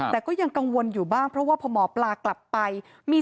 แต่ก็ยังกังวลอยู่บ้างเพราะว่าพอหมอปลากลับไปมี